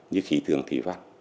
như khí thường thủy văn